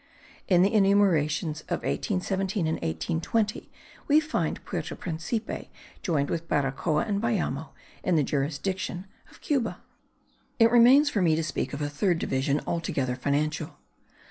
In the enumerations of 1817 and 1820 we find Puerto Principe joined with Baracoa and Bayamo, in the jurisdiction of Cuba. It remains for me to speak of a third division altogether financial.